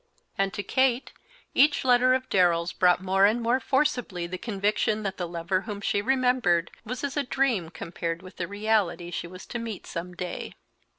And to Kate, each letter of Darrell's brought more and more forcibly the conviction that the lover whom she remembered was as a dream compared with the reality she was to meet some day.